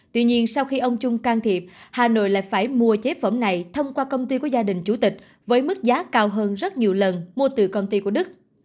tuy nhiên sau khi ông chung can thiệp hà nội lại phải mua chế phẩm này thông qua công ty của gia đình chủ tịch với mức giá cao hơn rất nhiều lần mua từ công ty của đức